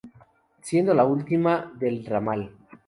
Siendo la última del ramal.